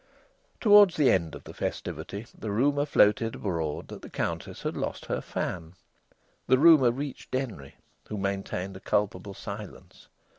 Towards the end of the festivity the rumour floated abroad that the Countess had lost her fan. The rumour reached Denry, who maintained a culpable silence.